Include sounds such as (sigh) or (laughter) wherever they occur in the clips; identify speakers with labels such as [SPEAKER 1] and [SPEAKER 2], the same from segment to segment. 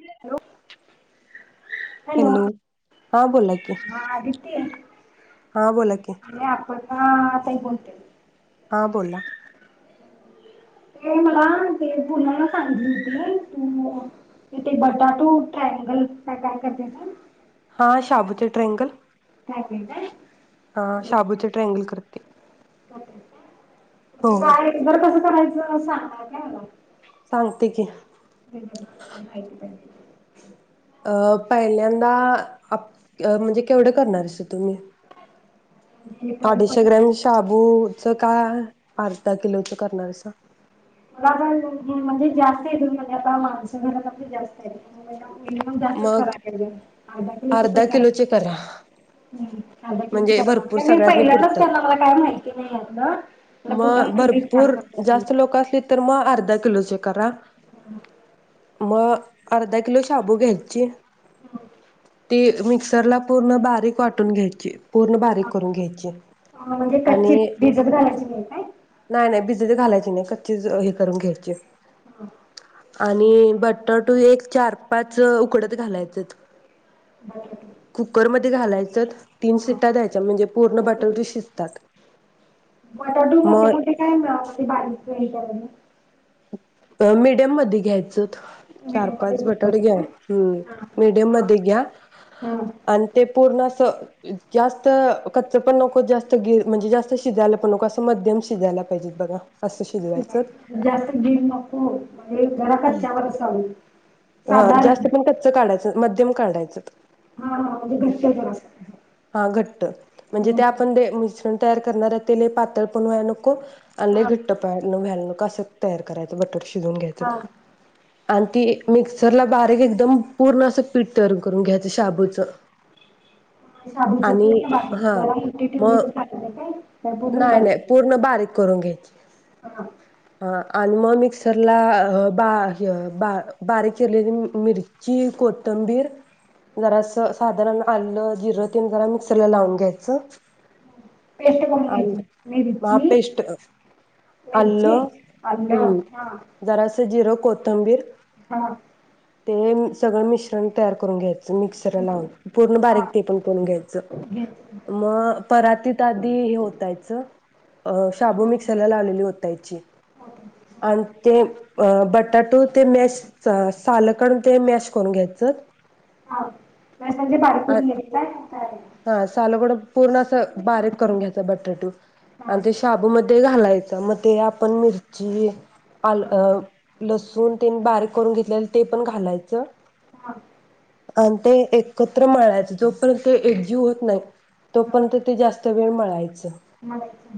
[SPEAKER 1] Hello
[SPEAKER 2] hello हा बोला कि
[SPEAKER 1] ते
[SPEAKER 2] हा बोला की
[SPEAKER 1] हा आताही ब उणतेे
[SPEAKER 2] हा बोला
[SPEAKER 1] ते मला ते पुलाला सांगितली होती तू ते बटाटू टायनगल काय काय करते
[SPEAKER 2] हा शाबू ते ट्रँंगल शाबूचे ट्रँगल करते. हो हो.
[SPEAKER 1] घर कस करायचं सांगा काय
[SPEAKER 2] सांगते की
[SPEAKER 1] हच प (unintelligible)
[SPEAKER 2] अ पहिल्यांदा आप म्हणजे केवढे करणारेस अस तू
[SPEAKER 1] तरी
[SPEAKER 2] अडीचशे
[SPEAKER 1] पण
[SPEAKER 2] ग्राम शाबू क कायं अर्धा किलो च करणारेस का?
[SPEAKER 1] मला पण म्हणजे जास्त येत म्हणजे आता माणस घर जास्त येत मिनिमम जास्तच
[SPEAKER 2] मग
[SPEAKER 1] करायला लागेल अर्धा किलो
[SPEAKER 2] किलोचे करा
[SPEAKER 1] कराअर्धा किलोच
[SPEAKER 2] म्हणजे भरपूर
[SPEAKER 1] मी
[SPEAKER 2] सगळ्यांसनी
[SPEAKER 1] पहिल्यांदच
[SPEAKER 2] पुरतात.
[SPEAKER 1] करणार मला काय माहिती नाही अलं मला
[SPEAKER 2] मग
[SPEAKER 1] पुन्ह
[SPEAKER 2] भरपूर जास्त लोक असली तर मग अर्धा किलोचे करा
[SPEAKER 1] हं
[SPEAKER 2] मग अर्धा किलो शाबू घ्यायचा चीे ते मिक्स तरला पूर्ण बारीक वाटून घ्यायची पूर्ण बारीक करून घ्यायची
[SPEAKER 1] हा म्हणजे कच्ची
[SPEAKER 2] आणि
[SPEAKER 1] भिजत घालायची नाही काय?
[SPEAKER 2] नाय नाय घालायची नाही कच्चीच हे करून घ्यायची
[SPEAKER 1] हा
[SPEAKER 2] आणि बटाटू एक चार पाचं उकडत घालायचेत
[SPEAKER 1] बटाटे
[SPEAKER 2] कुकरम ते घालायचंत तीन
[SPEAKER 1] हा.
[SPEAKER 2] शिट्ट्या द्यायच्या म्हणजे पूर्ण बटाटी शिजतात
[SPEAKER 1] बटाटू मोठे
[SPEAKER 2] मग
[SPEAKER 1] मोठे काय म्हणजे (inaudible)
[SPEAKER 2] अ मीडियम मध्ये घ्यायचं चार
[SPEAKER 1] मिडियम मध्ये
[SPEAKER 2] पाच बटाटे
[SPEAKER 1] उकडवायचे
[SPEAKER 2] घ्या
[SPEAKER 1] काय?
[SPEAKER 2] हं
[SPEAKER 1] हा
[SPEAKER 2] मिडीयम
[SPEAKER 1] हा
[SPEAKER 2] मध्ये घ्या
[SPEAKER 1] हा
[SPEAKER 2] आणि ते पूर्ण अ जास्त कच्चं पणं नको जास्त गिल म्हणजे जास्त शिजायला पणं नको असं मध्यमा शि शिजायला पाहिजेत बघा असं शिजवायचं
[SPEAKER 1] ज्यातं दिन मकू (inaudible) कच्च्यावर असावं
[SPEAKER 2] हा जास्त
[SPEAKER 1] साधारण
[SPEAKER 2] पण कच्च काढायचं मध्यम काढायचं
[SPEAKER 1] हा हा म्हणजे घट्ट जरासं.
[SPEAKER 2] हा घट्ट म्हणजे
[SPEAKER 1] हम्म
[SPEAKER 2] ते आपण ते मुसून तयार करणार आहे ते लय पातळ पण व्हायला नको आणलय
[SPEAKER 1] हा.
[SPEAKER 2] घट्टपाड नॊ व्हयालू कसं तयार करायचं बटर शिजून घ्यायचं
[SPEAKER 1] हा
[SPEAKER 2] ना आणि ती मिक्सरला बारीक एकदम पूर्ण असं पीठ तयार करून घ्यायचं शाबूचं
[SPEAKER 1] साधूच
[SPEAKER 2] आणि
[SPEAKER 1] घरा
[SPEAKER 2] हा
[SPEAKER 1] ठेव
[SPEAKER 2] मग
[SPEAKER 1] तर का
[SPEAKER 2] नाही नाही पूर्ण बारीक करून घ्यायची
[SPEAKER 1] हा
[SPEAKER 2] हा आणि मग मिक्सरला बा बारीक केलेली मिरची कोथंबीर जरा अस साधारण आलं जिरं तेन जरा मिक्सरला लावून घ्यायचं
[SPEAKER 1] पेस्ट कोणची
[SPEAKER 2] आणि महा
[SPEAKER 1] मिरची
[SPEAKER 2] पेस्ट
[SPEAKER 1] मिरची
[SPEAKER 2] आलं
[SPEAKER 1] आल् हा
[SPEAKER 2] कोतंबीर
[SPEAKER 1] हा
[SPEAKER 2] ते सगळं मिश्रण तयार करून घ्याच. ् पूर्ण
[SPEAKER 1] हा
[SPEAKER 2] बक पण कर घ्याय
[SPEAKER 1] घ्यायचं
[SPEAKER 2] म क हे होतायचं अ शाबू मिक्सरला लावलेली होता याची आणि ते बट बटाटो ते मॅश सालकण ते मॅश करून घ्यायचं हा सालगोड
[SPEAKER 1] (unintelligible)
[SPEAKER 2] पूर्ण असं पा करून घ्यायचा बटाट
[SPEAKER 1] हा
[SPEAKER 2] आणि ते शाबूमध्ये घालाय च त म ते आपण मिर्ची आल अ लसु दोन तीन बारीक करून घेतले ते पण घालायचं
[SPEAKER 1] हा.
[SPEAKER 2] आणि ते एकत्र माळायचे जोपर्यंत ते एकजीव होत नाही तो पणंत ते जास वे मळायच
[SPEAKER 1] मलायचं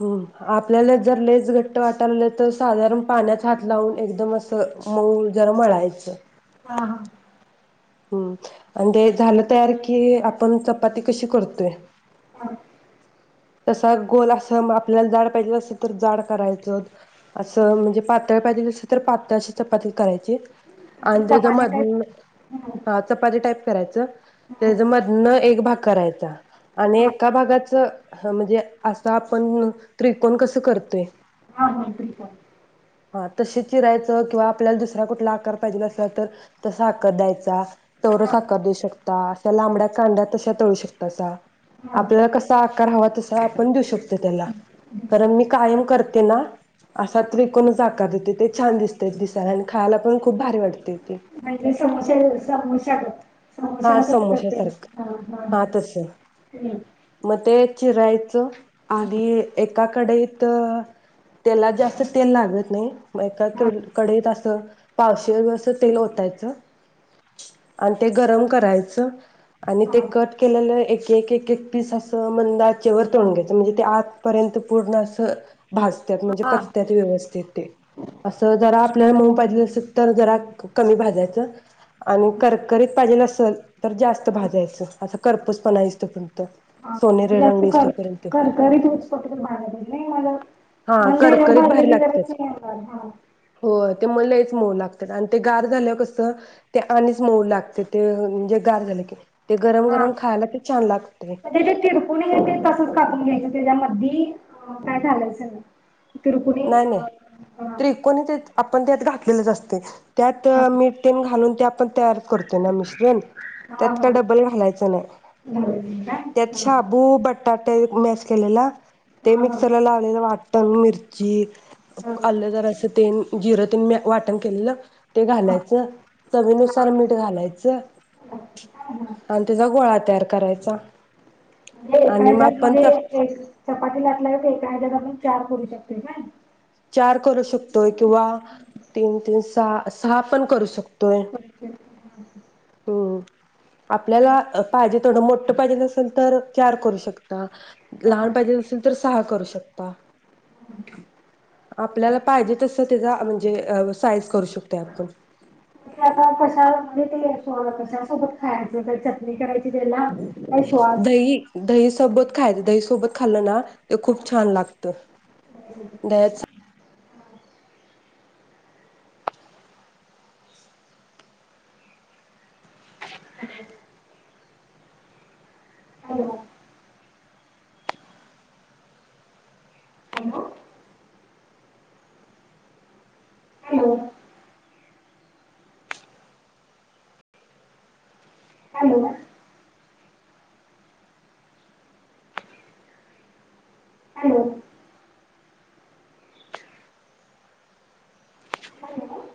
[SPEAKER 2] हो. आपल्याला जर लेस घट्ट वाटालं तर साधारण पाण्यात हात लावून एकदम असं मऊ जरा मळायचं.
[SPEAKER 1] हा हा.
[SPEAKER 2] हम्म आणि ते झालं तयार की आपण चपाती कशी करतोय
[SPEAKER 1] (unintelligible)
[SPEAKER 2] तसा गोल असं आपल्याला जाड पाहिजेल असत तर जाड करायचं असं म्हणजे पातळ पाहिजे असे तर पातळ अशी चपाती करायची.
[SPEAKER 1] म्हणजे
[SPEAKER 2] आणि त्या
[SPEAKER 1] चपाती
[SPEAKER 2] मध
[SPEAKER 1] टाईप
[SPEAKER 2] हा चपाती टाईप करायच त्याचा
[SPEAKER 1] हा
[SPEAKER 2] मधन एक भाग करायचा आणि एका भागाच म्हणजे असं आपण त्रिकोण कसं करतोय
[SPEAKER 1] (unintelligible)
[SPEAKER 2] हा तशे चिरायचं किंवा आपल्याला दुसरा कुठला आकार पाहिजेला असला तर तसा आकार द्यायचा.
[SPEAKER 1] हा
[SPEAKER 2] तेवढाच आकार देऊ शकता अशा लांबड्या कांदा तश्या तळू शकता सा
[SPEAKER 1] हा
[SPEAKER 2] आपल्याला कसा आकार हवा तस आपण देऊ शकतो त्याला कारण मी कायम करते ना असा त्रिकोणच आकार देते ते छान दिसत दिसायला आणि खायला पण खूप भारी वाटतय
[SPEAKER 1] (unintelligible)
[SPEAKER 2] हा
[SPEAKER 1] कसं करते हा
[SPEAKER 2] समोस्यासारखा हा तस
[SPEAKER 1] हम्म.
[SPEAKER 2] म ते चिरायचं आणि एकाकडे त त्याला जास्त तेल लागत नाही एका
[SPEAKER 1] हा
[SPEAKER 2] कडईत असं पा (unintelligible) तेल ओतायचं आणि ते गरम करायचं आणि ते कट केलेलं एक एक ए एक पीस अस मंद आचेवर तळून घ्यायचं म्हणजे ते आतपर्यंत पूर्ण अस भाजत्यात म्हणजे
[SPEAKER 1] हा
[SPEAKER 2] पकत्त्यात व्यवस्थित ते, असं जरा आपल्याला मऊ पाहिजे असं तरर जर (unintelligible) कमी भाजायच आणि करकरीत पाहीजेल असल तर तर जास्त भाजायचं असं कर्पूस पणायच (unintelligible)
[SPEAKER 1] आतमध्ये करकरीत होइसतोपर्यंत भाजायचं मग
[SPEAKER 2] हा
[SPEAKER 1] मंद ह्याच्यावर
[SPEAKER 2] करकरीत
[SPEAKER 1] भाजले
[SPEAKER 2] भारी
[SPEAKER 1] की
[SPEAKER 2] लागत्यात
[SPEAKER 1] जरासं हे हुणार हा
[SPEAKER 2] हो ते मग लईच मऊ लागत्यात आणि ते गार झाल्यावर कसं ते आणीच मऊ लागत्यात म्हणजे गार झाले की ते गरम
[SPEAKER 1] हा
[SPEAKER 2] गरम खायला ते छान लागते
[SPEAKER 1] मग ते (unintelligible) तसच कापून घ्यायच त्याच्यामधी काय घालंयचं नाही. तिरपुणी
[SPEAKER 2] नाही नाही
[SPEAKER 1] अ, हा
[SPEAKER 2] त्रिकोणी तेत आपण त्यात घात लेलच असतय त्यात
[SPEAKER 1] हा
[SPEAKER 2] मीठ तेन घालून त्या आपण तयार करतोयना मिश्रण
[SPEAKER 1] हा हा
[SPEAKER 2] त्यात काय डबल घालायचं नाही.
[SPEAKER 1] घालायचं काय
[SPEAKER 2] त्यात शाबू बटाट मॅश केलेला ते
[SPEAKER 1] हा हा
[SPEAKER 2] मिक्सरला लावलेलं वाट (unintelligible) चित
[SPEAKER 1] हा हा
[SPEAKER 2] आल जरासं तेन जिरं तुंम्या वाटन केलेलं? ते घालायचं, चावीनुसार मीठ घालायचं,
[SPEAKER 1] म्हणजे
[SPEAKER 2] आणि त्याचा गोळा तयार. करायचा,
[SPEAKER 1] (unintelligible) एका
[SPEAKER 2] आणि मग आपण च
[SPEAKER 1] ह्याच्यात आपन चार करू शकतोय काय?
[SPEAKER 2] चार करू शकतोय किंवा तीन तीन सहा सहा पण करू शकतो तोय हं.. आपल्याला पाहिजे तेवढं मो.. त पायजे नसलं तर, चार करू शकता. लहान पाहिजे असलं तर सहा करू शकता.. आपल्याला पाहिजे तसं त्येचा म्हंजे साईज करू शकतो आपन.
[SPEAKER 1] (unintelligible) थोडं कशासोबत खायाच ते चटणी करायची, त्याला काय श्वास
[SPEAKER 2] दही, दही त खायचं दही सोबत खाल्लं ना. ते खूप छान लागत, दह्याच
[SPEAKER 1] hello hello! Hello hello hello